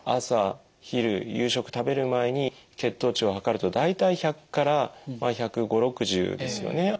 朝昼夕食食べる前に血糖値を測ると大体１００から１５０１６０ですよね。